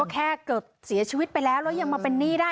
แค่เกิดเสียชีวิตไปแล้วแล้วยังมาเป็นหนี้ได้